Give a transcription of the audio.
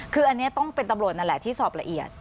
คืออันนี้ต้องเป็นตำรวจนั่นแหละที่สอบละเอียด